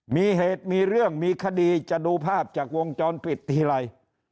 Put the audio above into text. มีเหตุมีเรื่องมีคดีจะดูภาพจากวงจรปิดทีไร